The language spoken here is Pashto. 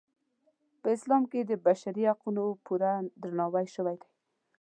په اسلام کې د بشري حقونو پوره درناوی شوی دی.